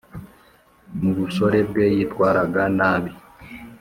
mu busore bwe yitwaraga nabi